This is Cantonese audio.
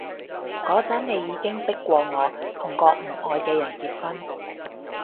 嗰陣你已經迫過我同個唔愛嘅人結婚